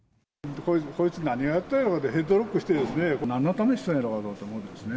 こいつ、何をやってんやろと、ヘッドロックしてね、なんのためにしとるんやろうと思ってですね。